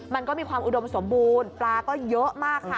มันก็มีความอุดมสมบูรณ์ปลาก็เยอะมากค่ะ